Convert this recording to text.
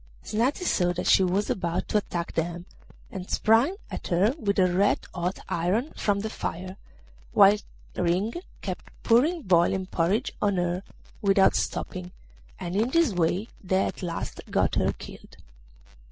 Snati saw that she was about to attack them, and sprang at her with a red hot iron from the fire, while Ring kept pouring boiling porridge on her without stopping, and in this way they at last got her killed.